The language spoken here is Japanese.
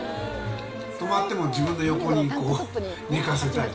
泊まっても自分の横にこう、寝かせたり。